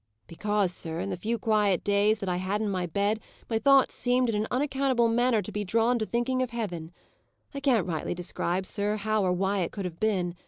"Because, sir, in the few days' quiet that I had in bed, my thoughts seemed in an unaccountable manner to be drawn to thinking of heaven. I can't rightly describe, sir, how or why it could have been.